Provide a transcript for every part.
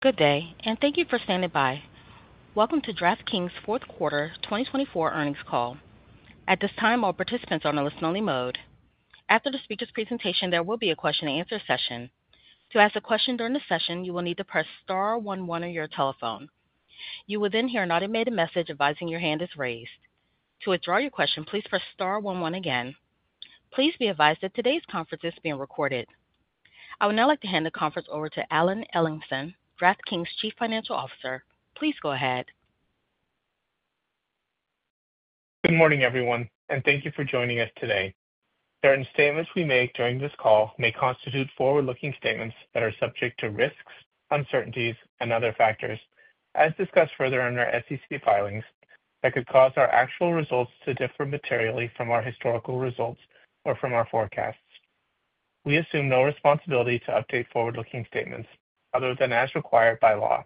Good day, and thank you for standing by. Welcome to DraftKings' fourth quarter 2024 earnings call. At this time, all participants are in a listen-only mode. After the speaker's presentation, there will be a question-and-answer session. To ask a question during the session, you will need to press star one one on your telephone. You will then hear an automated message advising your hand is raised. To withdraw your question, please press star one one again. Please be advised that today's conference is being recorded. I would now like to hand the conference over to Alan Ellingson, DraftKings' Chief Financial Officer. Please go ahead. Good morning, everyone, and thank you for joining us today. Certain statements we make during this call may constitute forward-looking statements that are subject to risks, uncertainties, and other factors, as discussed further in our SEC filings, that could cause our actual results to differ materially from our historical results or from our forecasts. We assume no responsibility to update forward-looking statements other than as required by law.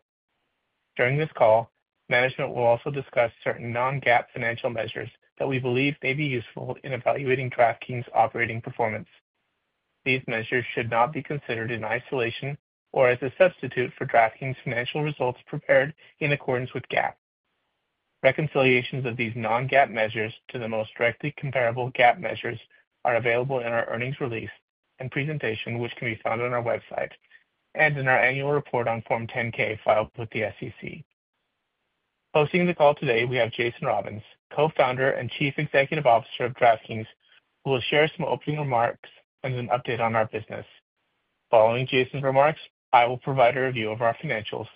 During this call, management will also discuss certain non-GAAP financial measures that we believe may be useful in evaluating DraftKings' operating performance. These measures should not be considered in isolation or as a substitute for DraftKings' financial results prepared in accordance with GAAP. Reconciliations of these non-GAAP measures to the most directly comparable GAAP measures are available in our earnings release and presentation, which can be found on our website and in our annual report on Form 10-K filed with the SEC. Hosting the call today, we have Jason Robins, Co-founder and Chief Executive Officer of DraftKings, who will share some opening remarks and an update on our business. Following Jason's remarks, I will provide a review of our financials.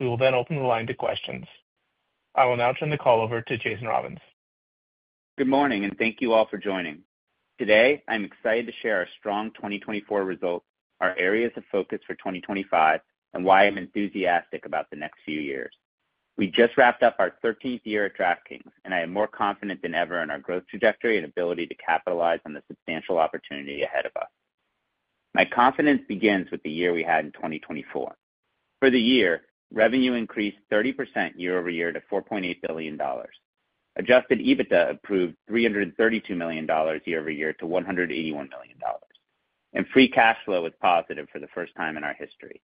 We will then open the line to questions. I will now turn the call over to Jason Robins. Good morning, and thank you all for joining. Today, I'm excited to share our strong 2024 results, our areas of focus for 2025, and why I'm enthusiastic about the next few years. We just wrapped up our 13th year at DraftKings, and I am more confident than ever in our growth trajectory and ability to capitalize on the substantial opportunity ahead of us. My confidence begins with the year we had in 2024. For the year, revenue increased 30% year over year to $4.8 billion. Adjusted EBITDA improved $332 million year over year to $181 million, and free cash flow was positive for the first time in our history.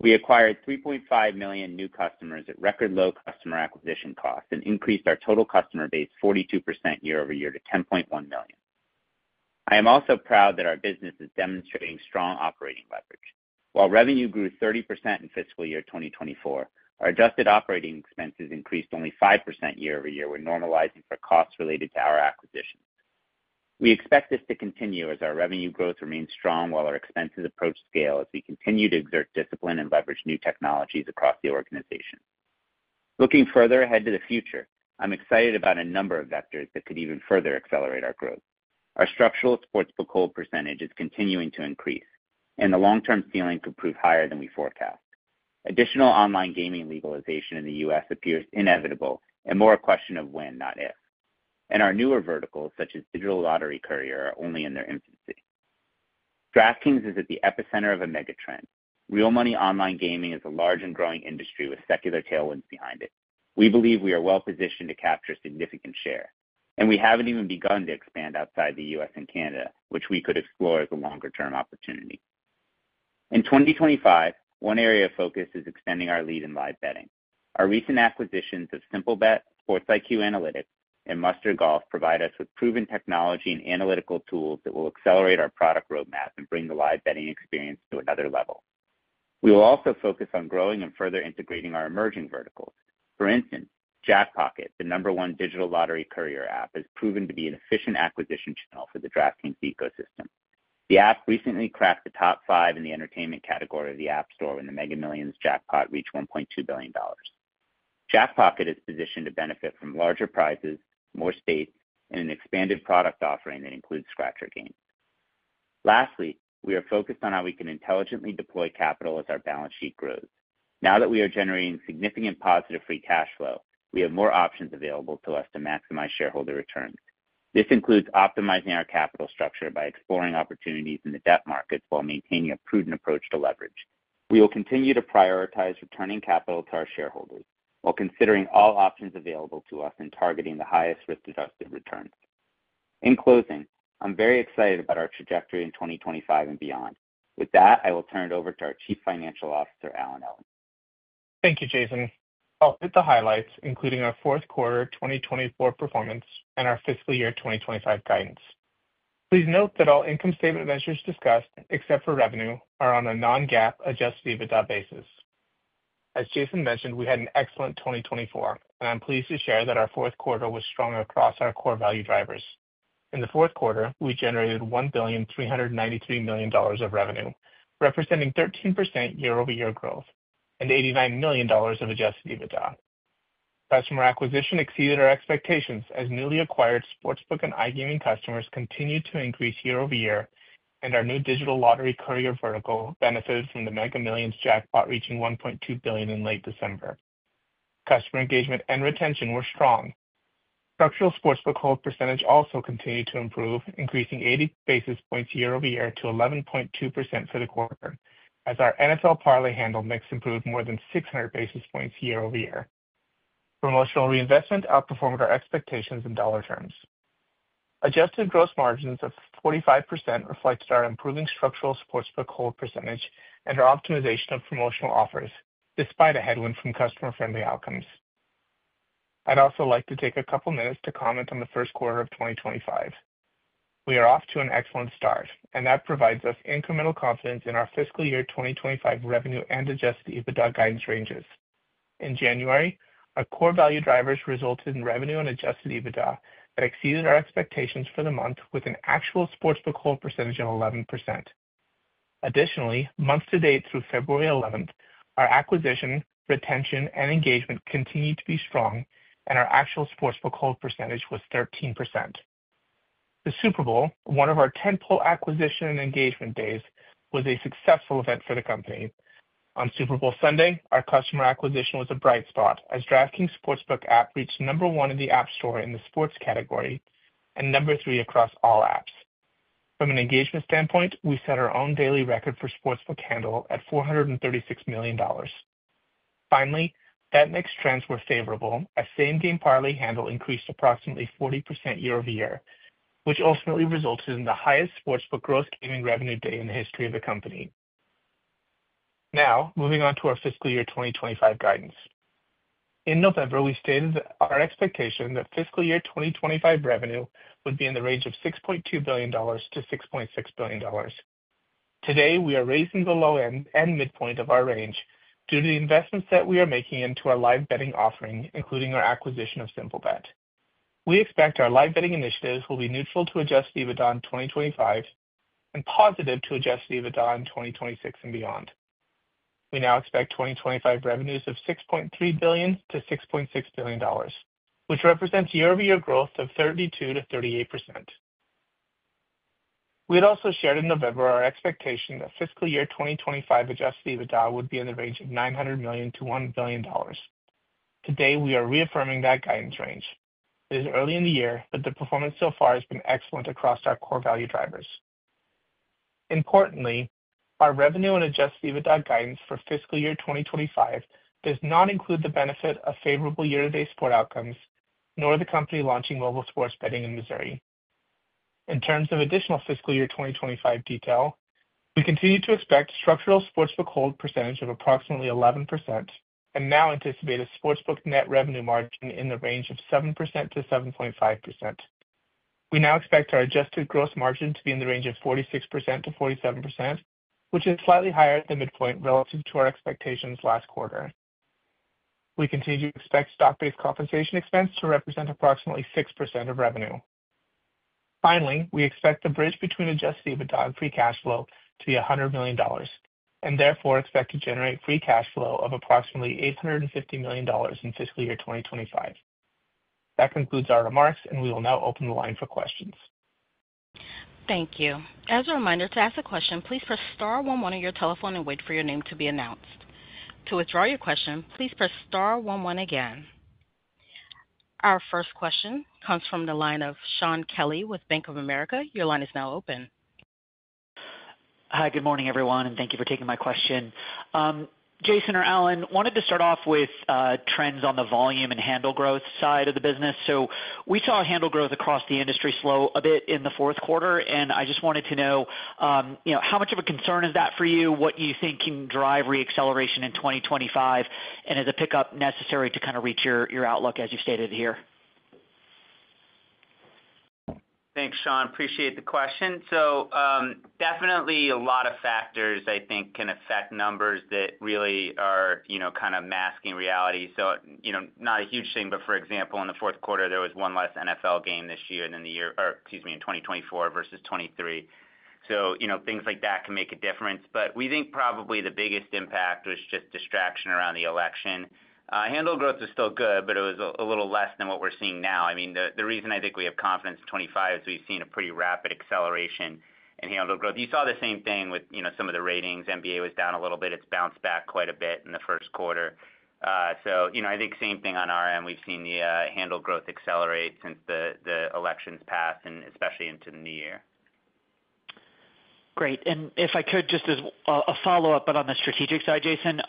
We acquired 3.5 million new customers at record-low customer acquisition costs and increased our total customer base 42% year over year to 10.1 million. I am also proud that our business is demonstrating strong operating leverage. While revenue grew 30% in fiscal year 2024, our adjusted operating expenses increased only 5% year over year when normalizing for costs related to our acquisitions. We expect this to continue as our revenue growth remains strong while our expenses approach scale as we continue to exert discipline and leverage new technologies across the organization. Looking further ahead to the future, I'm excited about a number of vectors that could even further accelerate our growth. Our structural sportsbook hold percentage is continuing to increase, and the long-term ceiling could prove higher than we forecast. Additional online gaming legalization in the U.S. appears inevitable and more a question of when, not if. And our newer verticals, such as digital lottery courier, are only in their infancy. DraftKings is at the epicenter of a mega trend. Real money online gaming is a large and growing industry with secular tailwinds behind it. We believe we are well positioned to capture a significant share, and we haven't even begun to expand outside the U.S. and Canada, which we could explore as a longer-term opportunity. In 2025, one area of focus is expanding our lead in live betting. Our recent acquisitions of SimpleBet, Sports IQ Analytics, and Mustard Golf provide us with proven technology and analytical tools that will accelerate our product roadmap and bring the live betting experience to another level. We will also focus on growing and further integrating our emerging verticals. For instance, Jackpocket, the number one digital lottery courier app, has proven to be an efficient acquisition channel for the DraftKings ecosystem. The app recently cracked the top five in the entertainment category of the App Store when the Mega Millions jackpot reached $1.2 billion. Jackpocket is positioned to benefit from larger prizes, more space, and an expanded product offering that includes scratcher games. Lastly, we are focused on how we can intelligently deploy capital as our balance sheet grows. Now that we are generating significant positive free cash flow, we have more options available to us to maximize shareholder returns. This includes optimizing our capital structure by exploring opportunities in the debt markets while maintaining a prudent approach to leverage. We will continue to prioritize returning capital to our shareholders while considering all options available to us and targeting the highest risk-adjusted returns. In closing, I'm very excited about our trajectory in 2025 and beyond. With that, I will turn it over to our Chief Financial Officer, Alan Ellingson. Thank you, Jason. I'll hit the highlights, including our fourth quarter 2024 performance and our fiscal year 2025 guidance. Please note that all income statement measures discussed, except for revenue, are on a non-GAAP Adjusted EBITDA basis. As Jason mentioned, we had an excellent 2024, and I'm pleased to share that our fourth quarter was strong across our core value drivers. In the fourth quarter, we generated $1,393 million of revenue, representing 13% year-over-year growth and $89 million of Adjusted EBITDA. Customer acquisition exceeded our expectations as newly acquired sportsbook and iGaming customers continued to increase year-over-year, and our new digital lottery courier vertical benefited from the Mega Millions jackpot reaching $1.2 billion in late December. Customer engagement and retention were strong. Structural sportsbook hold percentage also continued to improve, increasing 80 basis points year-over-year to 11.2% for the quarter, as our NFL parlay handle mix improved more than 600 basis points year-over-year. Promotional reinvestment outperformed our expectations in dollar terms. Adjusted gross margins of 45% reflected our improving structural sportsbook hold percentage and our optimization of promotional offers, despite a headwind from customer-friendly outcomes. I'd also like to take a couple of minutes to comment on the first quarter of 2025. We are off to an excellent start, and that provides us incremental confidence in our fiscal year 2025 revenue and Adjusted EBITDA guidance ranges. In January, our core value drivers resulted in revenue and Adjusted EBITDA that exceeded our expectations for the month, with an actual sportsbook hold percentage of 11%. Additionally, month-to-date through February 11, our acquisition, retention, and engagement continued to be strong, and our actual sportsbook hold percentage was 13%. The Super Bowl, one of our tentpole acquisition and engagement days, was a successful event for the company. On Super Bowl Sunday, our customer acquisition was a bright spot, as DraftKings' sportsbook app reached number one in the App Store in the sports category and number three across all apps. From an engagement standpoint, we set our own daily record for sportsbook handle at $436 million. Finally, bet-mix trends were favorable as same-game parlay handle increased approximately 40% year-over-year, which ultimately resulted in the highest sportsbook gross gaming revenue day in the history of the company. Now, moving on to our fiscal year 2025 guidance. In November, we stated our expectation that fiscal year 2025 revenue would be in the range of $6.2 billion-$6.6 billion. Today, we are raising the low end and midpoint of our range due to the investments that we are making into our live betting offering, including our acquisition of Simplebet. We expect our live betting initiatives will be neutral to adjusted EBITDA in 2025 and positive to adjusted EBITDA in 2026 and beyond. We now expect 2025 revenues of $6.3 billion-$6.6 billion, which represents year-over-year growth of 32%-38%. We had also shared in November our expectation that fiscal year 2025 adjusted EBITDA would be in the range of $900 million to $1 billion. Today, we are reaffirming that guidance range. It is early in the year, but the performance so far has been excellent across our core value drivers. Importantly, our revenue and Adjusted EBITDA guidance for fiscal year 2025 does not include the benefit of favorable year-to-date sport outcomes, nor the company launching mobile sports betting in Missouri. In terms of additional fiscal year 2025 detail, we continue to expect structural sportsbook hold percentage of approximately 11% and now anticipate a sportsbook net revenue margin in the range of 7%-7.5%. We now expect our Adjusted Gross Margin to be in the range of 46%-47%, which is slightly higher at the midpoint relative to our expectations last quarter. We continue to expect stock-based compensation expense to represent approximately 6% of revenue. Finally, we expect the bridge between Adjusted EBITDA and Free Cash Flow to be $100 million, and therefore expect to generate Free Cash Flow of approximately $850 million in fiscal year 2025. That concludes our remarks, and we will now open the line for questions. Thank you. As a reminder, to ask a question, please press star one one on your telephone and wait for your name to be announced. To withdraw your question, please press star one one again. Our first question comes from the line of Shaun Kelley with Bank of America. Your line is now open. Hi, good morning, everyone, and thank you for taking my question. Jason or Alan, wanted to start off with trends on the volume and handle growth side of the business. So we saw handle growth across the industry slow a bit in the fourth quarter, and I just wanted to know how much of a concern is that for you, what you think can drive reacceleration in 2025, and is a pickup necessary to kind of reach your outlook as you stated here? Thanks, Shaun. Appreciate the question. So definitely a lot of factors, I think, can affect numbers that really are kind of masking reality. So not a huge thing, but for example, in the fourth quarter, there was one less NFL game this year than the year or, excuse me, in 2024 versus 2023. So things like that can make a difference. But we think probably the biggest impact was just distraction around the election. Handle growth was still good, but it was a little less than what we're seeing now. I mean, the reason I think we have confidence in 2025 is we've seen a pretty rapid acceleration in handle growth. You saw the same thing with some of the ratings. NBA was down a little bit. It's bounced back quite a bit in the first quarter. So I think same thing on our end. We've seen the handle growth accelerate since the elections passed, and especially into the new year. Great, and if I could, just as a follow-up, but on the strategic side, Jason.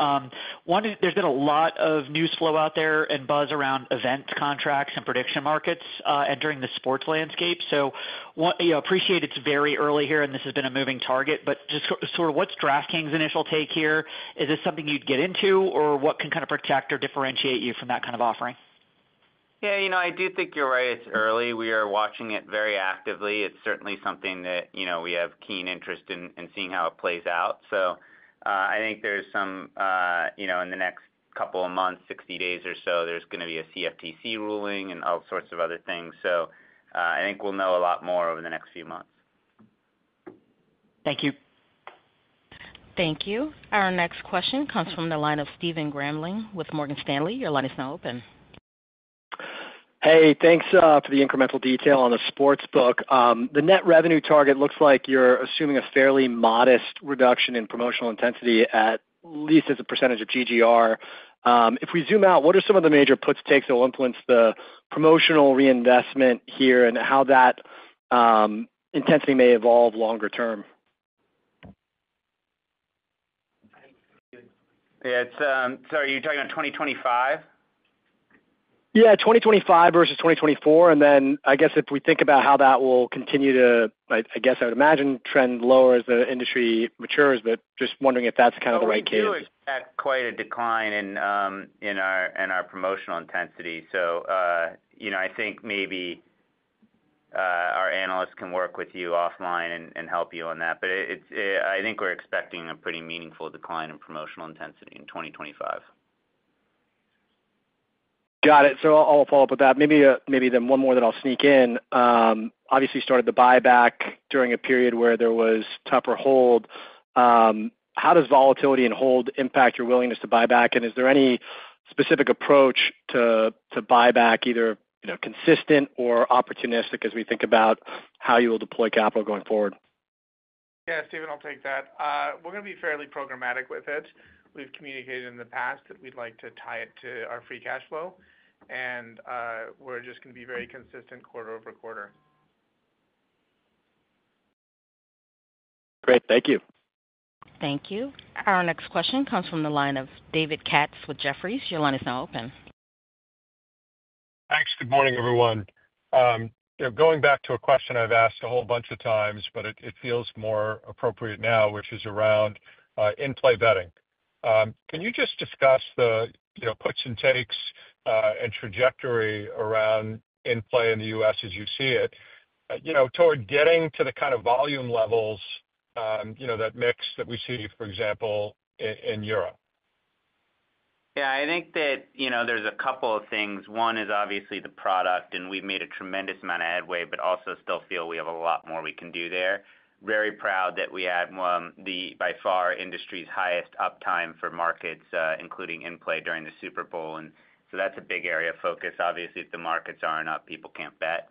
There's been a lot of news flow out there and buzz around events, contracts, and prediction markets entering the sports landscape, so I appreciate it's very early here, and this has been a moving target, but just sort of what's DraftKings' initial take here? Is this something you'd get into, or what can kind of protect or differentiate you from that kind of offering? Yeah, I do think you're right. It's early. We are watching it very actively. It's certainly something that we have keen interest in seeing how it plays out. So I think there's some in the next couple of months, 60 days or so, there's going to be a CFTC ruling and all sorts of other things. So I think we'll know a lot more over the next few months. Thank you. Thank you. Our next question comes from the line of Stephen Grambling with Morgan Stanley. Your line is now open. Hey, thanks for the incremental detail on the sportsbook. The net revenue target looks like you're assuming a fairly modest reduction in promotional intensity, at least as a percentage of GGR. If we zoom out, what are some of the major puts and takes that will influence the promotional reinvestment here and how that intensity may evolve longer term? Yeah, sorry, are you talking about 2025? Yeah, 2025 versus 2024. And then I guess if we think about how that will continue to, I guess I would imagine, trend lower as the industry matures, but just wondering if that's kind of the right case. Yeah, we've had quite a decline in our promotional intensity. So I think maybe our analysts can work with you offline and help you on that. But I think we're expecting a pretty meaningful decline in promotional intensity in 2025. Got it. So I'll follow up with that. Maybe then one more that I'll sneak in. Obviously, you started the buyback during a period where there was tougher hold. How does volatility and hold impact your willingness to buy back? And is there any specific approach to buyback, either consistent or opportunistic, as we think about how you will deploy capital going forward? Yeah, Stephen, I'll take that. We're going to be fairly programmatic with it. We've communicated in the past that we'd like to tie it to our free cash flow, and we're just going to be very consistent quarter over quarter. Great. Thank you. Thank you. Our next question comes from the line of David Katz with Jefferies. Your line is now open. Thanks. Good morning, everyone. Going back to a question I've asked a whole bunch of times, but it feels more appropriate now, which is around in-play betting. Can you just discuss the puts and takes and trajectory around in-play in the U.S. as you see it toward getting to the kind of volume levels that mix that we see, for example, in Europe? Yeah, I think that there's a couple of things. One is obviously the product, and we've made a tremendous amount of headway, but also still feel we have a lot more we can do there. Very proud that we have the, by far, industry's highest uptime for markets, including in-play during the Super Bowl. And so that's a big area of focus. Obviously, if the markets aren't up, people can't bet.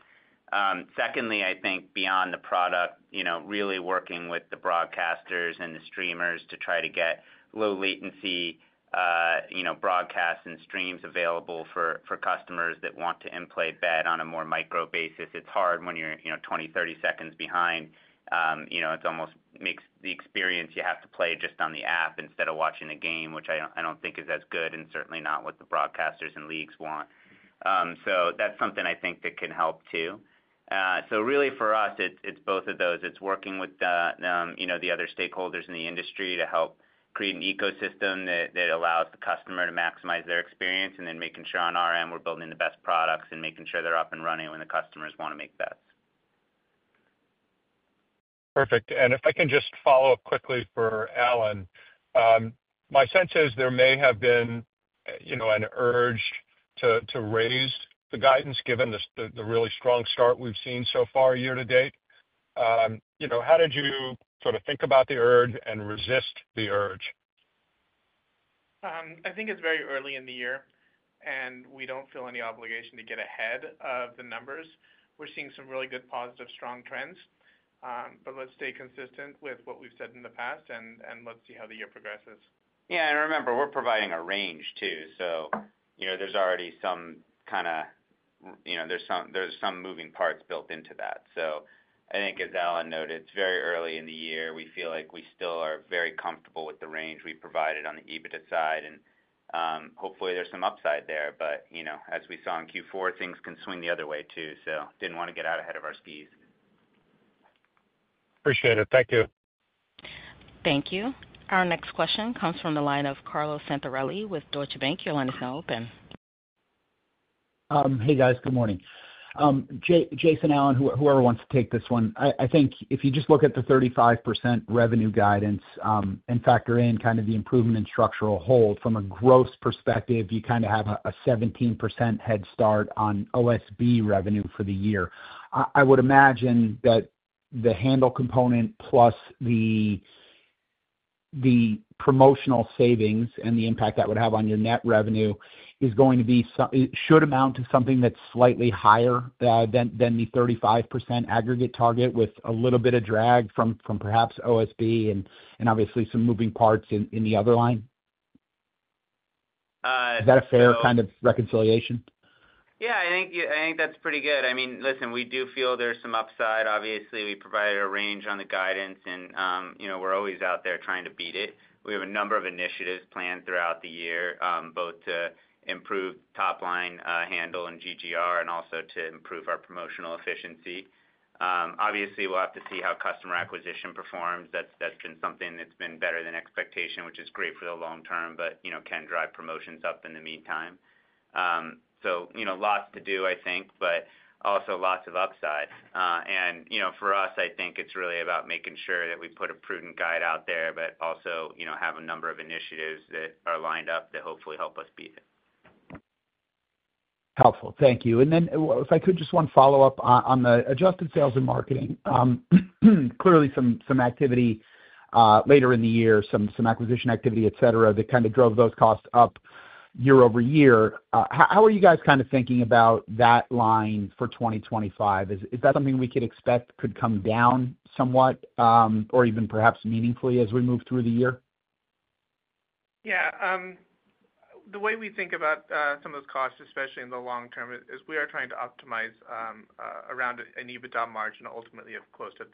Secondly, I think beyond the product, really working with the broadcasters and the streamers to try to get low-latency broadcasts and streams available for customers that want to in-play bet on a more micro basis. It's hard when you're 20, 30 seconds behind. It almost makes the experience you have to play just on the app instead of watching a game, which I don't think is as good and certainly not what the broadcasters and leagues want. So that's something I think that can help too. So really, for us, it's both of those. It's working with the other stakeholders in the industry to help create an ecosystem that allows the customer to maximize their experience and then making sure on our end we're building the best products and making sure they're up and running when the customers want to make bets. Perfect. And if I can just follow up quickly for Alan, my sense is there may have been an urge to raise the guidance given the really strong start we've seen so far year to date. How did you sort of think about the urge and resist the urge? I think it's very early in the year, and we don't feel any obligation to get ahead of the numbers. We're seeing some really good positive, strong trends, but let's stay consistent with what we've said in the past, and let's see how the year progresses. Yeah, and remember, we're providing a range too. So there's already some moving parts built into that. So I think, as Alan noted, it's very early in the year. We feel like we still are very comfortable with the range we provided on the EBITDA side, and hopefully there's some upside there. But as we saw in Q4, things can swing the other way too. So didn't want to get out ahead of our skis. Appreciate it. Thank you. Thank you. Our next question comes from the line of Carlos Santarelli with Deutsche Bank. Your line is now open. Hey, guys. Good morning. Jason, Alan, whoever wants to take this one. I think if you just look at the 35% revenue guidance and factor in kind of the improvement in structural hold, from a growth perspective, you kind of have a 17% head start on OSB revenue for the year. I would imagine that the handle component plus the promotional savings and the impact that would have on your net revenue is going to amount to something that's slightly higher than the 35% aggregate target with a little bit of drag from perhaps OSB and obviously some moving parts in the other line. Is that a fair kind of reconciliation? Yeah, I think that's pretty good. I mean, listen, we do feel there's some upside. Obviously, we provided a range on the guidance, and we're always out there trying to beat it. We have a number of initiatives planned throughout the year, both to improve top-line handle and GGR and also to improve our promotional efficiency. Obviously, we'll have to see how customer acquisition performs. That's been something that's been better than expectation, which is great for the long term, but can drive promotions up in the meantime, so lots to do, I think, but also lots of upside, and for us, I think it's really about making sure that we put a prudent guide out there, but also have a number of initiatives that are lined up that hopefully help us beat it. Helpful. Thank you. And then if I could, just one follow-up on the adjusted sales and marketing. Clearly, some activity later in the year, some acquisition activity, etc., that kind of drove those costs up year over year. How are you guys kind of thinking about that line for 2025? Is that something we could expect could come down somewhat or even perhaps meaningfully as we move through the year? Yeah. The way we think about some of those costs, especially in the long term, is we are trying to optimize around an EBITDA margin ultimately of close to 30%.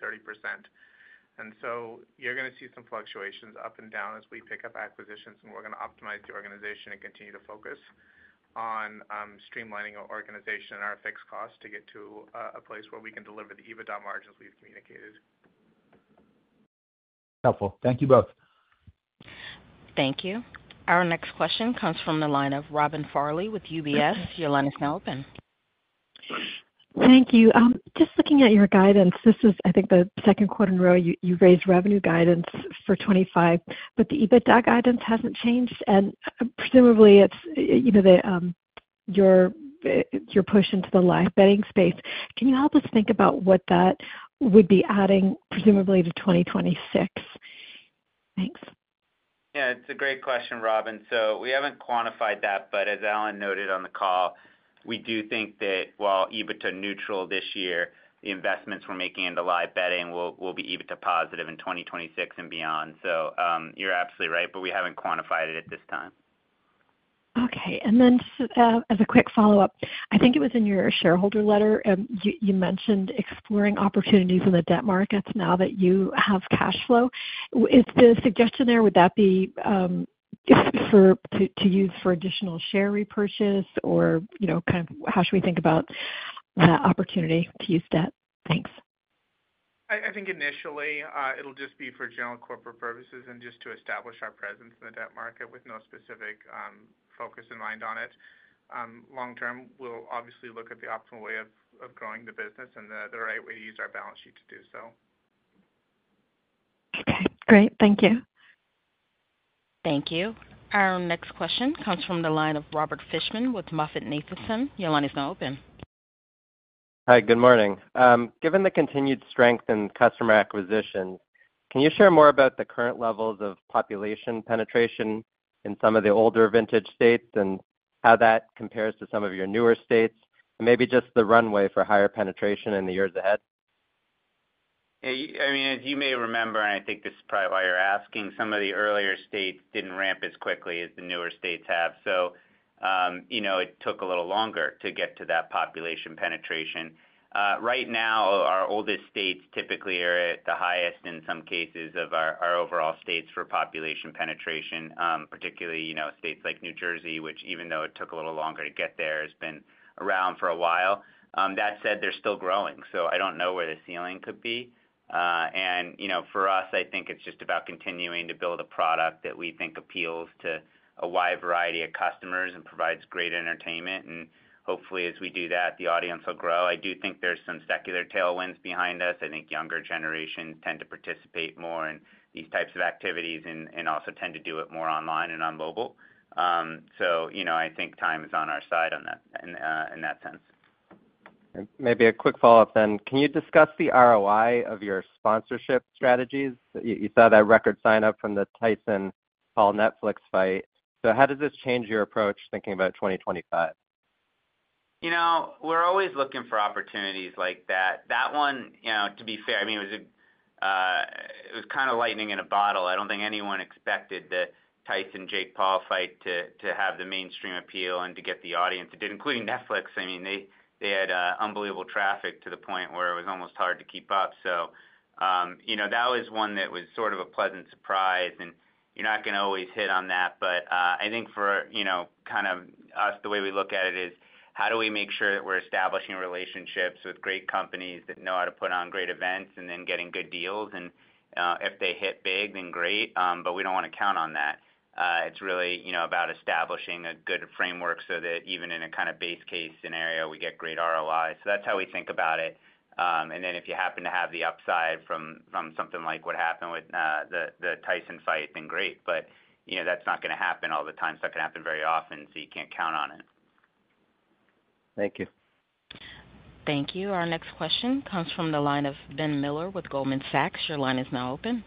And so you're going to see some fluctuations up and down as we pick up acquisitions, and we're going to optimize the organization and continue to focus on streamlining our organization and our fixed costs to get to a place where we can deliver the EBITDA margins we've communicated. Helpful. Thank you both. Thank you. Our next question comes from the line of Robin Farley with UBS. Your line is now open. Thank you. Just looking at your guidance, this is, I think, the second quarter in a row you raised revenue guidance for 2025, but the EBITDA guidance hasn't changed. Presumably, it's your push into the live betting space. Can you help us think about what that would be adding, presumably, to 2026? Thanks. Yeah, it's a great question, Robin. So we haven't quantified that, but as Alan noted on the call, we do think that while EBITDA neutral this year, the investments we're making into live betting will be EBITDA positive in 2026 and beyond. So you're absolutely right, but we haven't quantified it at this time. Okay. And then just as a quick follow-up, I think it was in your shareholder letter, you mentioned exploring opportunities in the debt markets now that you have cash flow. The suggestion there, would that be to use for additional share repurchase, or kind of how should we think about that opportunity to use debt? Thanks. I think initially, it'll just be for general corporate purposes and just to establish our presence in the debt market with no specific focus in mind on it. Long term, we'll obviously look at the optimal way of growing the business and the right way to use our balance sheet to do so. Great. Thank you. Thank you. Our next question comes from the line of Robert Fishman with MoffettNathanson. Your line is now open. Hi, good morning. Given the continued strength in customer acquisitions, can you share more about the current levels of population penetration in some of the older vintage states and how that compares to some of your newer states and maybe just the runway for higher penetration in the years ahead? I mean, as you may remember, and I think this is probably why you're asking, some of the earlier states didn't ramp as quickly as the newer states have. So it took a little longer to get to that population penetration. Right now, our oldest states typically are at the highest, in some cases, of our overall states for population penetration, particularly states like New Jersey, which, even though it took a little longer to get there, has been around for a while. That said, they're still growing. So I don't know where the ceiling could be. And for us, I think it's just about continuing to build a product that we think appeals to a wide variety of customers and provides great entertainment. And hopefully, as we do that, the audience will grow. I do think there's some secular tailwinds behind us. I think younger generations tend to participate more in these types of activities and also tend to do it more online and on mobile. So I think time is on our side in that sense. Maybe a quick follow-up then. Can you discuss the ROI of your sponsorship strategies? You saw that record sign-up from the Tyson-Paul Netflix fight. So how does this change your approach thinking about 2025? We're always looking for opportunities like that. That one, to be fair, I mean, it was kind of lightning in a bottle. I don't think anyone expected the Tyson-Jake Paul fight to have the mainstream appeal and to get the audience. It did, including Netflix. I mean, they had unbelievable traffic to the point where it was almost hard to keep up. So that was one that was sort of a pleasant surprise. And you're not going to always hit on that, but I think for kind of us, the way we look at it is, how do we make sure that we're establishing relationships with great companies that know how to put on great events and then getting good deals? And if they hit big, then great, but we don't want to count on that. It's really about establishing a good framework so that even in a kind of base case scenario, we get great ROI. So that's how we think about it. And then if you happen to have the upside from something like what happened with the Tyson fight, then great. But that's not going to happen all the time. It's not going to happen very often, so you can't count on it. Thank you. Thank you. Our next question comes from the line of Ben Miller with Goldman Sachs. Your line is now open.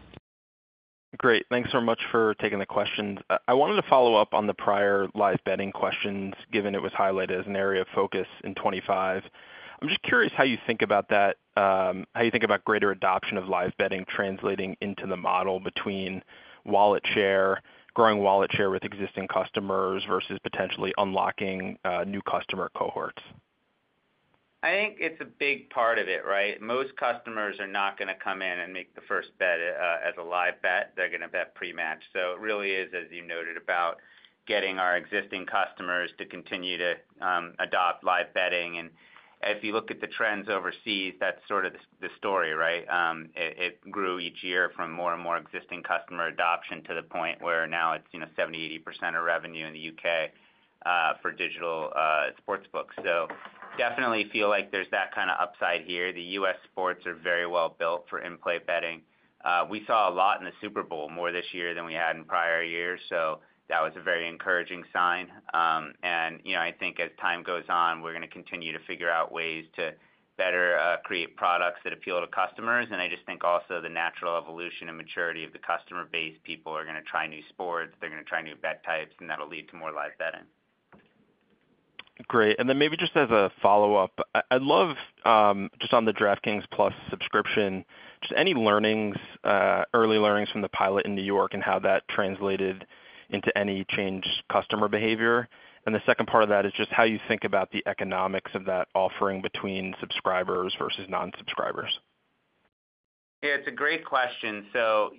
Great. Thanks so much for taking the questions. I wanted to follow up on the prior live betting questions, given it was highlighted as an area of focus in 2025. I'm just curious how you think about that, how you think about greater adoption of live betting translating into the model between growing wallet share with existing customers versus potentially unlocking new customer cohorts? I think it's a big part of it, right? Most customers are not going to come in and make the first bet as a live bet. They're going to bet pre-match. So it really is, as you noted, about getting our existing customers to continue to adopt live betting. And if you look at the trends overseas, that's sort of the story, right? It grew each year from more and more existing customer adoption to the point where now it's 70%-80% of revenue in the U.K. for digital sportsbooks. So definitely feel like there's that kind of upside here. The U.S. sports are very well built for in-play betting. We saw a lot in the Super Bowl, more this year than we had in prior years. So that was a very encouraging sign. And I think as time goes on, we're going to continue to figure out ways to better create products that appeal to customers. And I just think also the natural evolution and maturity of the customer base, people are going to try new sports. They're going to try new bet types, and that'll lead to more live betting. Great. And then maybe just as a follow-up, I'd love just on the DraftKings Plus subscription, just any early learnings from the pilot in New York and how that translated into any changed customer behavior, and the second part of that is just how you think about the economics of that offering between subscribers versus non-subscribers. Yeah, it's a great question. So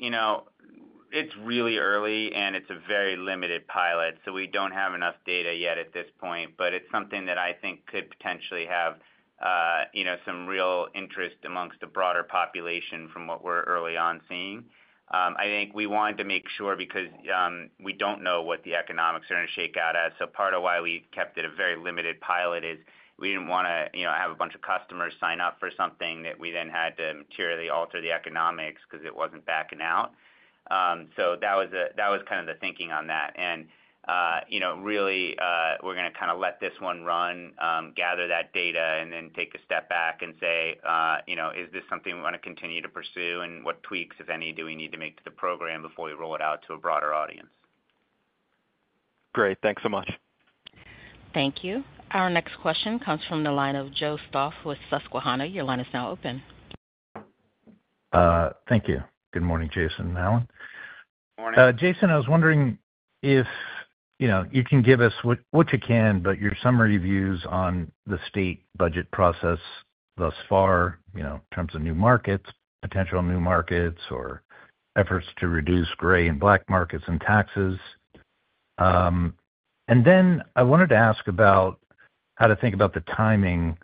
it's really early, and it's a very limited pilot. So we don't have enough data yet at this point, but it's something that I think could potentially have some real interest amongst the broader population from what we're early on seeing. I think we wanted to make sure because we don't know what the economics are going to shake out as. So part of why we kept it a very limited pilot is we didn't want to have a bunch of customers sign up for something that we then had to materially alter the economics because it wasn't backing out. So that was kind of the thinking on that. And really, we're going to kind of let this one run, gather that data, and then take a step back and say, "Is this something we want to continue to pursue? What tweaks, if any, do we need to make to the program before we roll it out to a broader audience? Great. Thanks so much. Thank you. Our next question comes from the line of Joe Stauff with Susquehanna. Your line is now open. Thank you. Good morning, Jason and Alan. Morning. Jason, I was wondering if you can give us what you can, but your summary views on the state budget process thus far in terms of new markets, potential new markets, or efforts to reduce gray and black markets in taxes, and then I wanted to ask about how to think about the timing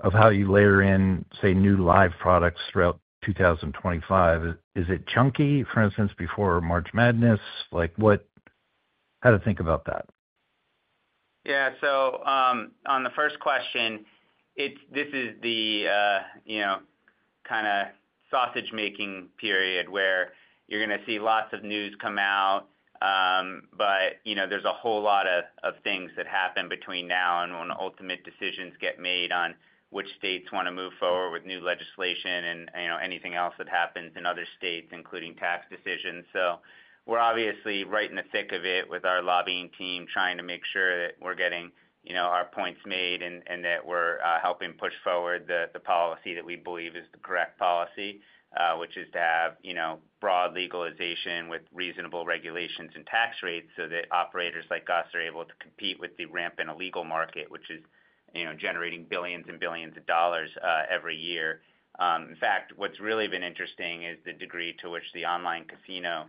of how you layer in, say, new live products throughout 2025. Is it chunky, for instance, before March Madness? How to think about that? Yeah. So on the first question, this is the kind of sausage-making period where you're going to see lots of news come out, but there's a whole lot of things that happen between now and when ultimate decisions get made on which states want to move forward with new legislation and anything else that happens in other states, including tax decisions. So we're obviously right in the thick of it with our lobbying team trying to make sure that we're getting our points made and that we're helping push forward the policy that we believe is the correct policy, which is to have broad legalization with reasonable regulations and tax rates so that operators like us are able to compete with the rampant illegal market, which is generating billions and billions of dollars every year. In fact, what's really been interesting is the degree to which the online casino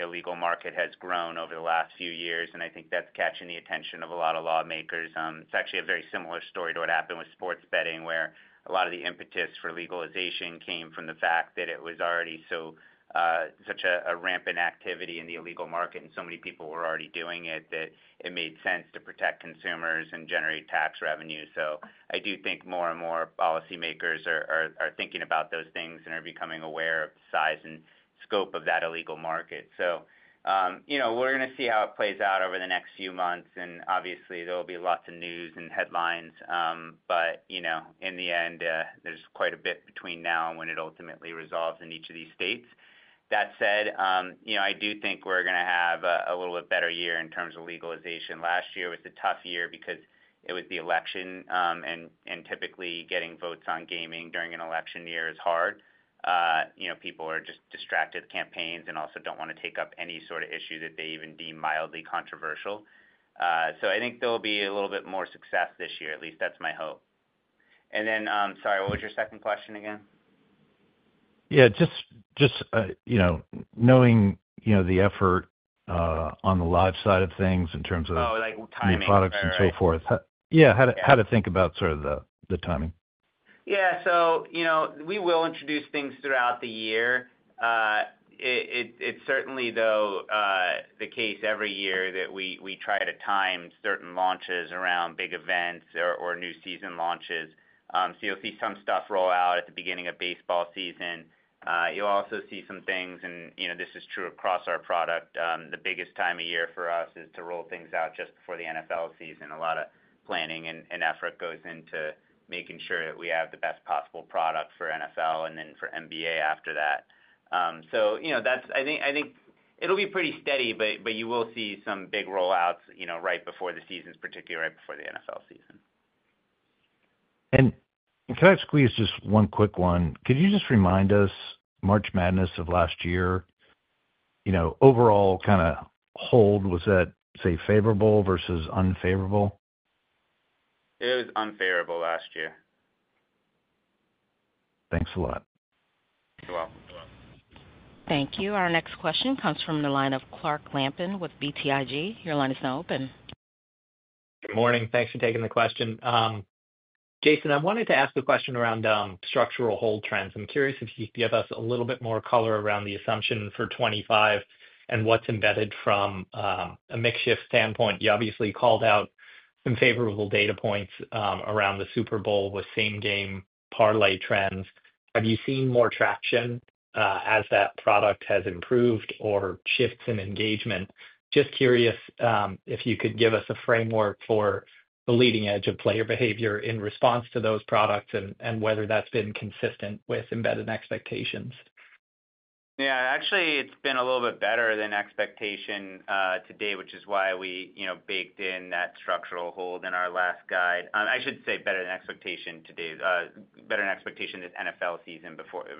illegal market has grown over the last few years. And I think that's catching the attention of a lot of lawmakers. It's actually a very similar story to what happened with sports betting, where a lot of the impetus for legalization came from the fact that it was already such a rampant activity in the illegal market and so many people were already doing it that it made sense to protect consumers and generate tax revenue. So I do think more and more policymakers are thinking about those things and are becoming aware of the size and scope of that illegal market. So we're going to see how it plays out over the next few months. Obviously, there will be lots of news and headlines, but in the end, there's quite a bit between now and when it ultimately resolves in each of these states. That said, I do think we're going to have a little bit better year in terms of legalization. Last year was a tough year because it was the election, and typically getting votes on gaming during an election year is hard. People are just distracted with campaigns and also don't want to take up any sort of issue that they even deem mildly controversial. So I think there'll be a little bit more success this year. At least that's my hope. Then, sorry, what was your second question again? Yeah. Just knowing the effort on the live side of things in terms of. Oh, like timing. New products and so forth. Yeah. How to think about sort of the timing. Yeah. So we will introduce things throughout the year. It's certainly, though, the case every year that we try to time certain launches around big events or new season launches. So you'll see some stuff roll out at the beginning of baseball season. You'll also see some things, and this is true across our product. The biggest time of year for us is to roll things out just before the NFL season. A lot of planning and effort goes into making sure that we have the best possible product for NFL and then for NBA after that. So I think it'll be pretty steady, but you will see some big rollouts right before the seasons, particularly right before the NFL season. And can I squeeze just one quick one? Could you just remind us, March Madness of last year, overall kind of hold, was that, say, favorable versus unfavorable? It was unfavorable last year. Thanks a lot. You're welcome. Thank you. Our next question comes from the line of Clark Lampen with BTIG. Your line is now open. Good morning. Thanks for taking the question. Jason, I wanted to ask a question around structural hold trends. I'm curious if you could give us a little bit more color around the assumption for 2025 and what's embedded from a market mix standpoint. You obviously called out some favorable data points around the Super Bowl with same-game parlay trends. Have you seen more traction as that product has improved or shifts in engagement? Just curious if you could give us a framework for the leading edge of player behavior in response to those products and whether that's been consistent with embedded expectations. Yeah. Actually, it's been a little bit better than expectation today, which is why we baked in that structural hold in our last guide. I should say better than expectation today, better than expectation this NFL season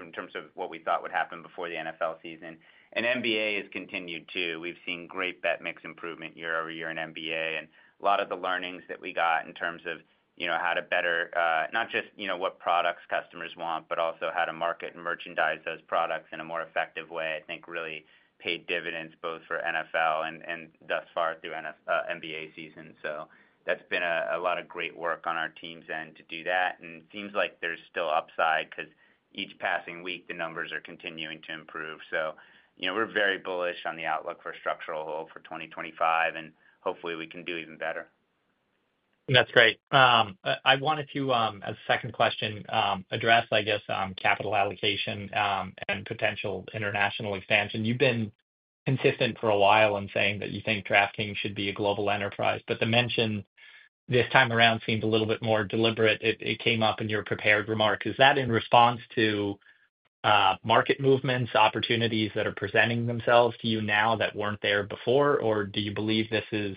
in terms of what we thought would happen before the NFL season, and NBA has continued too. We've seen great bet mix improvement year over year in NBA, and a lot of the learnings that we got in terms of how to better not just what products customers want, but also how to market and merchandise those products in a more effective way, I think really paid dividends both for NFL and thus far through NBA season, so that's been a lot of great work on our team's end to do that, and it seems like there's still upside because each passing week, the numbers are continuing to improve. So we're very bullish on the outlook for structural hold for 2025, and hopefully, we can do even better. That's great. I wanted to, as a second question, address, I guess, capital allocation and potential international expansion. You've been consistent for a while in saying that you think DraftKings should be a global enterprise, but the mention this time around seemed a little bit more deliberate. It came up in your prepared remark. Is that in response to market movements, opportunities that are presenting themselves to you now that weren't there before? Or do you believe this is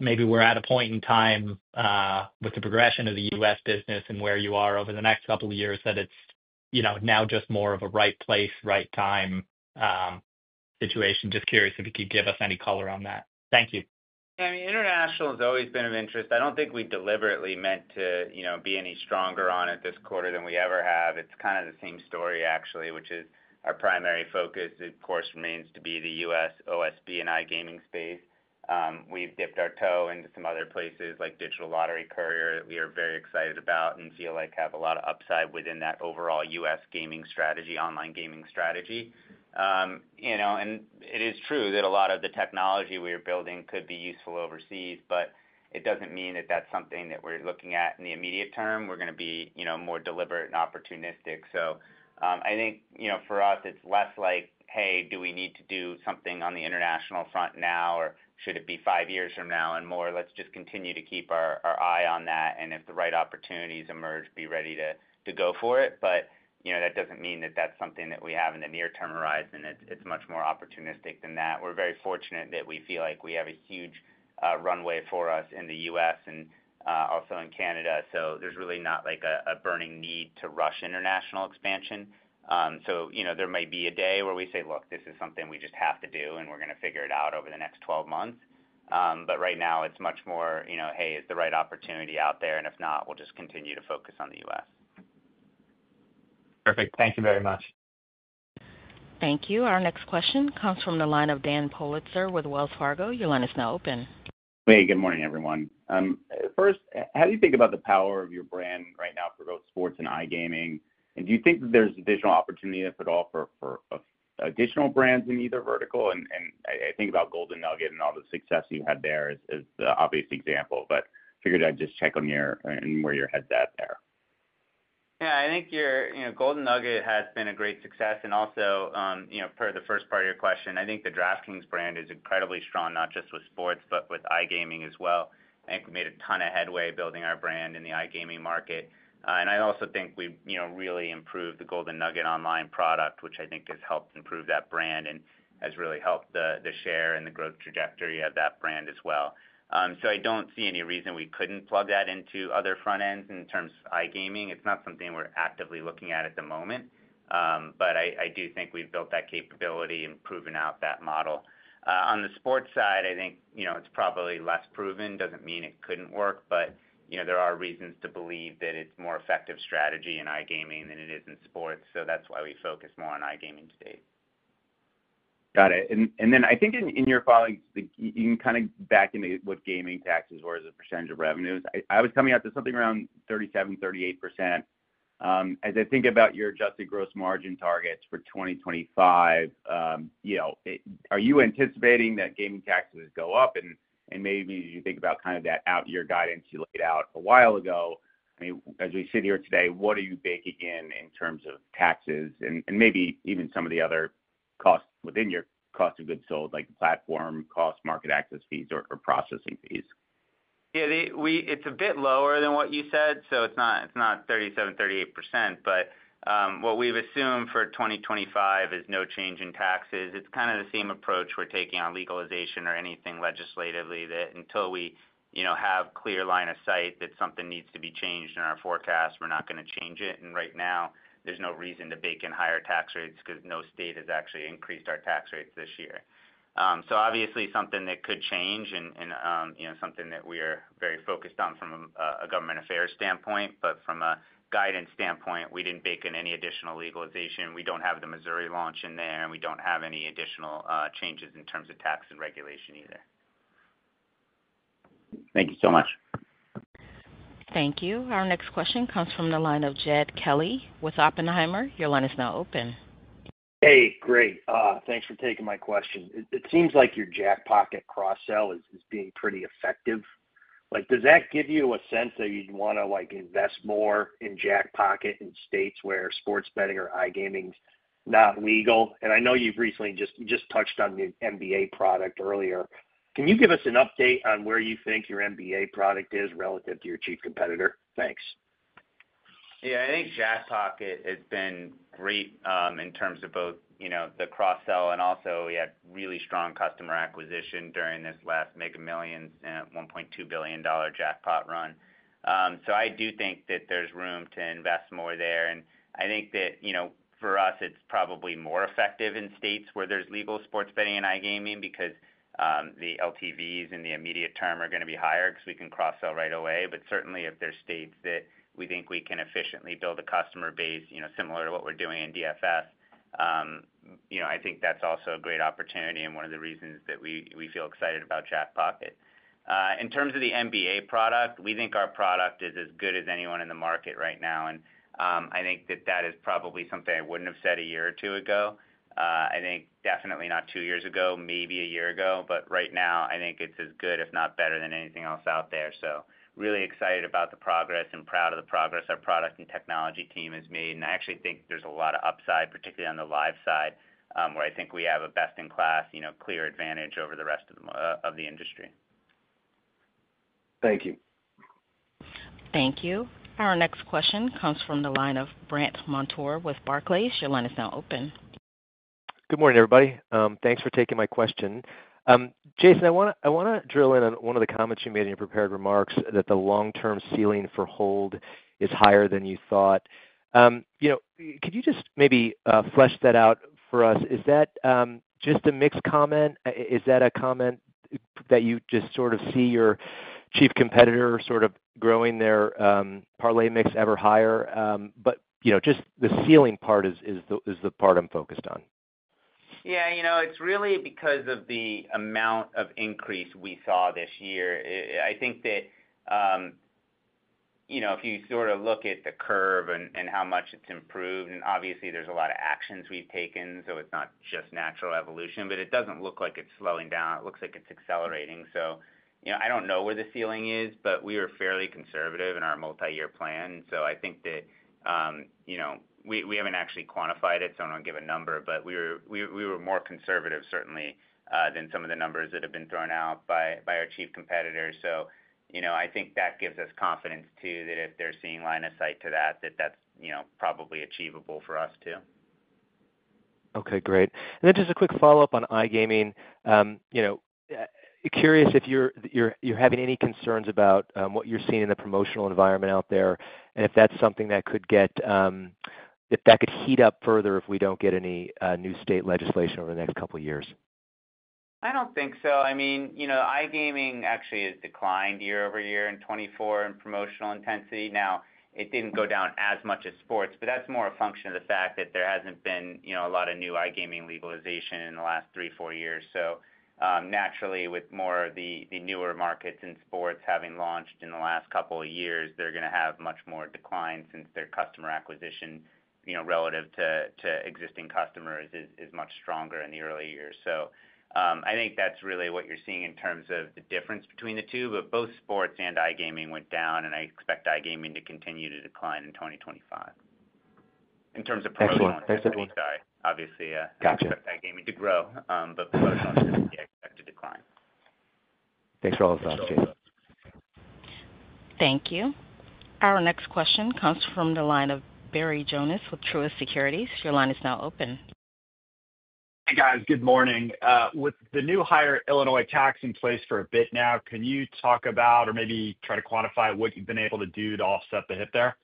maybe we're at a point in time with the progression of the U.S. business and where you are over the next couple of years that it's now just more of a right place, right time situation? Just curious if you could give us any color on that. Thank you. I mean, international has always been of interest. I don't think we deliberately meant to be any stronger on it this quarter than we ever have. It's kind of the same story, actually, which is our primary focus, of course, remains to be the U.S. OSB and iGaming space. We've dipped our toe into some other places like Digital Lottery Courier that we are very excited about and feel like have a lot of upside within that overall U.S. gaming strategy, online gaming strategy. And it is true that a lot of the technology we are building could be useful overseas, but it doesn't mean that that's something that we're looking at in the immediate term. We're going to be more deliberate and opportunistic. So I think for us, it's less like, "Hey, do we need to do something on the international front now, or should it be five years from now?" and more, "Let's just continue to keep our eye on that, and if the right opportunities emerge, be ready to go for it." But that doesn't mean that that's something that we have in the near-term horizon. It's much more opportunistic than that. We're very fortunate that we feel like we have a huge runway for us in the U.S. and also in Canada. So there's really not a burning need to rush international expansion. So there might be a day where we say, "Look, this is something we just have to do, and we're going to figure it out over the next 12 months." But right now, it's much more, "Hey, is the right opportunity out there?" And if not, we'll just continue to focus on the U.S. Perfect. Thank you very much. Thank you. Our next question comes from the line of Daniel Politzer with Wells Fargo. Your line is now open. Hey, good morning, everyone. First, how do you think about the power of your brand right now for both sports and iGaming? And do you think that there's additional opportunity, if at all, for additional brands in either vertical? And I think about Golden Nugget and all the success you had there as the obvious example, but figured I'd just check on where your heads at there. Yeah. I think Golden Nugget has been a great success. And also, for the first part of your question, I think the DraftKings brand is incredibly strong, not just with sports, but with iGaming as well. I think we made a ton of headway building our brand in the iGaming market. And I also think we really improved the Golden Nugget online product, which I think has helped improve that brand and has really helped the share and the growth trajectory of that brand as well. So I don't see any reason we couldn't plug that into other front ends in terms of iGaming. It's not something we're actively looking at at the moment, but I do think we've built that capability and proven out that model. On the sports side, I think it's probably less proven. Doesn't mean it couldn't work, but there are reasons to believe that it's a more effective strategy in iGaming than it is in sports. So that's why we focus more on iGaming today. Got it. And then I think in your filings, you can kind of back into what gaming taxes were as a percentage of revenues. I was coming out to something around 37%-38%. As I think about your adjusted gross margin targets for 2025, are you anticipating that gaming taxes go up? And maybe as you think about kind of that out-year guidance you laid out a while ago, I mean, as we sit here today, what are you baking in in terms of taxes and maybe even some of the other costs within your cost of goods sold, like platform costs, market access fees, or processing fees? Yeah. It's a bit lower than what you said, so it's not 37%-38%. But what we've assumed for 2025 is no change in taxes. It's kind of the same approach we're taking on legalization or anything legislatively that until we have a clear line of sight that something needs to be changed in our forecast, we're not going to change it. And right now, there's no reason to bake in higher tax rates because no state has actually increased our tax rates this year. So obviously, something that could change and something that we are very focused on from a government affairs standpoint, but from a guidance standpoint, we didn't bake in any additional legalization. We don't have the Missouri launch in there, and we don't have any additional changes in terms of tax and regulation either. Thank you so much. Thank you. Our next question comes from the line of Jed Kelly with Oppenheimer. Your line is now open. Hey, great. Thanks for taking my question. It seems like your Jackpocket cross-sell is being pretty effective. Does that give you a sense that you'd want to invest more in Jackpocket in states where sports betting or iGaming is not legal? And I know you've recently just touched on the NBA product earlier. Can you give us an update on where you think your NBA product is relative to your chief competitor? Thanks. Yeah. I think Jackpocket has been great in terms of both the cross-sell and also we had really strong customer acquisition during this last Mega Millions $1.2 billion jackpot run. So I do think that there's room to invest more there. And I think that for us, it's probably more effective in states where there's legal sports betting and iGaming because the LTVs in the immediate term are going to be higher because we can cross-sell right away. But certainly, if there are states that we think we can efficiently build a customer base similar to what we're doing in DFS, I think that's also a great opportunity and one of the reasons that we feel excited about Jackpocket. In terms of the NBA product, we think our product is as good as anyone in the market right now. I think that that is probably something I wouldn't have said a year or two ago. I think definitely not two years ago, maybe a year ago, but right now, I think it's as good, if not better than anything else out there. Really excited about the progress and proud of the progress our product and technology team has made. I actually think there's a lot of upside, particularly on the live side, where I think we have a best-in-class, clear advantage over the rest of the industry. Thank you. Thank you. Our next question comes from the line of Brandt Montour with Barclays. Your line is now open. Good morning, everybody. Thanks for taking my question. Jason, I want to drill in on one of the comments you made in your prepared remarks that the long-term ceiling for hold is higher than you thought. Could you just maybe flesh that out for us? Is that just a mixed comment? Is that a comment that you just sort of see your chief competitor sort of growing their parlay mix ever higher? But just the ceiling part is the part I'm focused on. Yeah. It's really because of the amount of increase we saw this year. I think that if you sort of look at the curve and how much it's improved, and obviously, there's a lot of actions we've taken, so it's not just natural evolution, but it doesn't look like it's slowing down. It looks like it's accelerating. So I don't know where the ceiling is, but we are fairly conservative in our multi-year plan. So I think that we haven't actually quantified it, so I don't want to give a number, but we were more conservative, certainly, than some of the numbers that have been thrown out by our chief competitor. So I think that gives us confidence too that if they're seeing line of sight to that, that that's probably achievable for us too. Okay. Great. And then just a quick follow-up on iGaming. Curious if you're having any concerns about what you're seeing in the promotional environment out there and if that's something that could heat up further if we don't get any new state legislation over the next couple of years. I don't think so. I mean, iGaming actually has declined year over year in 2024 in promotional intensity. Now, it didn't go down as much as sports, but that's more a function of the fact that there hasn't been a lot of new iGaming legalization in the last three, four years. So naturally, with more of the newer markets in sports having launched in the last couple of years, they're going to have much more decline since their customer acquisition relative to existing customers is much stronger in the early years. So I think that's really what you're seeing in terms of the difference between the two. But both sports and iGaming went down, and I expect iGaming to continue to decline in 2025 in terms of promotional intensity. Obviously, I expect iGaming to grow, but promotional intensity expected to decline. Thanks for all the thoughts, Jason. Thank you. Our next question comes from the line of Barry Jonas with Truist Securities. Your line is now open. Hey, guys. Good morning. With the new higher Illinois tax in place for a bit now, can you talk about or maybe try to quantify what you've been able to do to offset the hit there?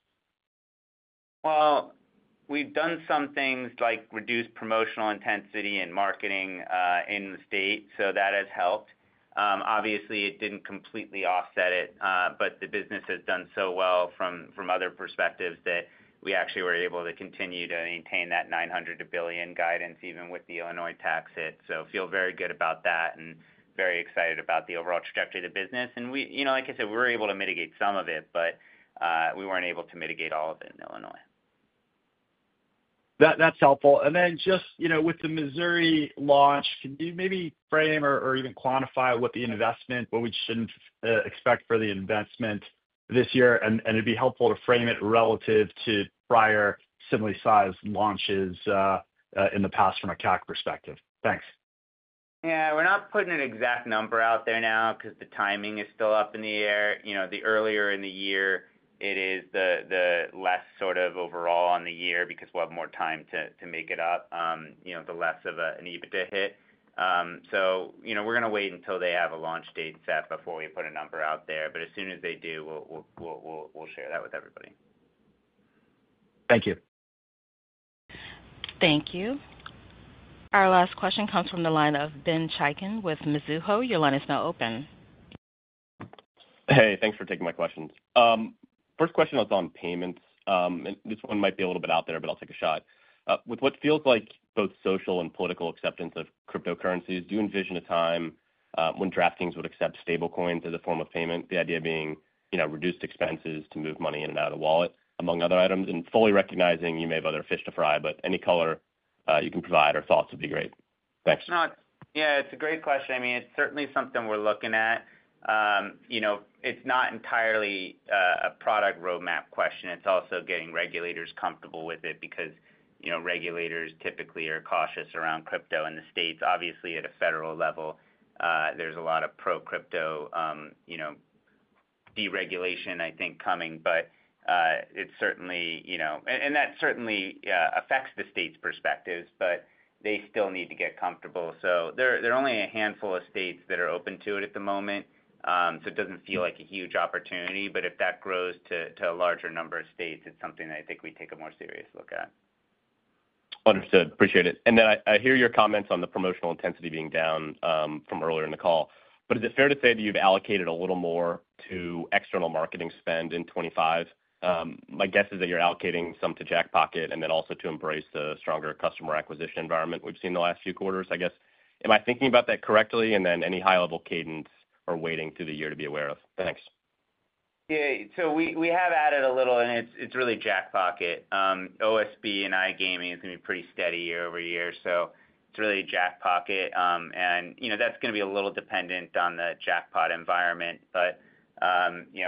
We've done some things like reduced promotional intensity and marketing in the state, so that has helped. Obviously, it didn't completely offset it, but the business has done so well from other perspectives that we actually were able to continue to maintain that $900 billion guidance even with the Illinois tax hit, so I feel very good about that and very excited about the overall trajectory of the business, and like I said, we were able to mitigate some of it, but we weren't able to mitigate all of it in Illinois. That's helpful. And then just with the Missouri launch, can you maybe frame or even quantify what we shouldn't expect for the investment this year? And it'd be helpful to frame it relative to prior similarly sized launches in the past from a CAC perspective. Thanks. Yeah. We're not putting an exact number out there now because the timing is still up in the air. The earlier in the year it is, the less sort of overall on the year because we'll have more time to make it up, the less of an EBITDA hit. So we're going to wait until they have a launch date set before we put a number out there. But as soon as they do, we'll share that with everybody. Thank you. Thank you. Our last question comes from the line of Ben Chaiken with Mizuho. Your line is now open. Hey, thanks for taking my questions. First question was on payments. This one might be a little bit out there, but I'll take a shot. With what feels like both social and political acceptance of cryptocurrencies, do you envision a time when DraftKings would accept stablecoins as a form of payment, the idea being reduced expenses to move money in and out of the wallet among other items, and fully recognizing you may have other fish to fry, but any color you can provide or thoughts would be great. Thanks. Yeah. It's a great question. I mean, it's certainly something we're looking at. It's not entirely a product roadmap question. It's also getting regulators comfortable with it because regulators typically are cautious around crypto in the states. Obviously, at a federal level, there's a lot of pro-crypto deregulation, I think, coming, but it certainly, and that certainly affects the state's perspectives, but they still need to get comfortable, so there are only a handful of states that are open to it at the moment, so it doesn't feel like a huge opportunity, but if that grows to a larger number of states, it's something that I think we take a more serious look at. Understood. Appreciate it. And then I hear your comments on the promotional intensity being down from earlier in the call. But is it fair to say that you've allocated a little more to external marketing spend in 2025? My guess is that you're allocating some to Jackpocket and then also to embrace the stronger customer acquisition environment we've seen the last few quarters, I guess. Am I thinking about that correctly? And then any high-level cadence or weighting through the year to be aware of? Thanks. Yeah. So we have added a little, and it's really Jackpocket. OSB and iGaming is going to be pretty steady year over year. So it's really Jackpocket. And that's going to be a little dependent on the jackpot environment. But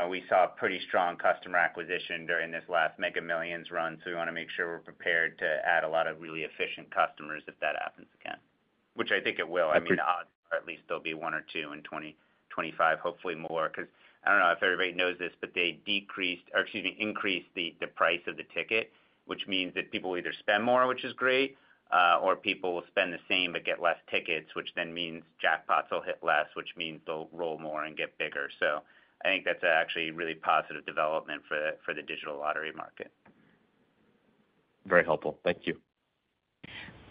we saw pretty strong customer acquisition during this last Mega Millions run, so we want to make sure we're prepared to add a lot of really efficient customers if that happens again, which I think it will. I mean, odds are at least there'll be one or two in 2025, hopefully more, because I don't know if everybody knows this, but they decreased, or excuse me, increased the price of the ticket, which means that people either spend more, which is great, or people will spend the same but get less tickets, which then means jackpots will hit less, which means they'll roll more and get bigger. I think that's actually a really positive development for the digital lottery market. Very helpful. Thank you.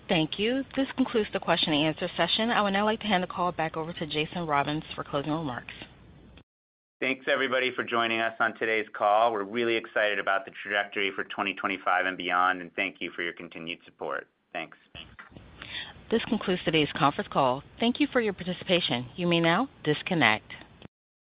Thank you. This concludes the question-and-answer session. I would now like to hand the call back over to Jason Robins for closing remarks. Thanks, everybody, for joining us on today's call. We're really excited about the trajectory for 2025 and beyond, and thank you for your continued support. Thanks. This concludes today's conference call. Thank you for your participation. You may now disconnect.